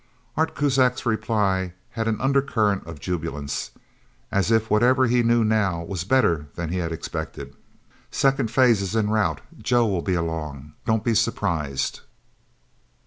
Art Kuzak's reply had an undercurrent of jubilance, as if whatever he knew now was better than he had expected. "Second phase is en route. Joe will be along... Don't be surprised..."